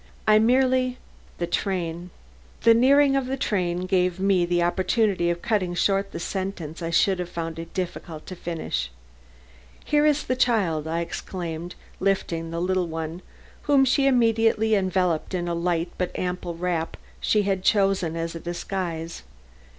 "I merely " The nearing of the train gave me the opportunity of cutting short the sentence I should have found it difficult to finish. "Here is the child," I exclaimed, lifting the little one, whom she immediately enveloped in the light but ample wrap she had chosen as a disguise.